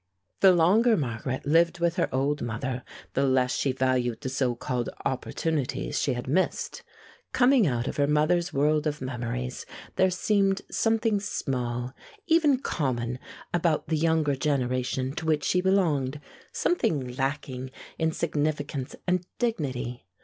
The longer Margaret lived with her old mother, the less she valued the so called "opportunities" she had missed. Coming out of her mother's world of memories, there seemed something small, even common, about the younger generation to which she belonged, something lacking in significance and dignity.